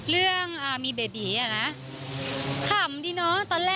เรื่องมีเบบีค่ะขำดีเนอะตอนแรกพี่เขาว่าออมมีคำถามนะ